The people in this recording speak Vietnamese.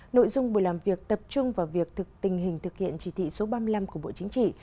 nội dung buổi làm việc tập trung vào việc thực tình hình thực hiện chỉ thị số ba mươi năm của bộ chính trị